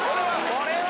・これは！